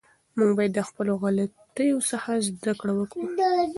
موږ باید د خپلو غلطیو څخه زده کړه وکړو.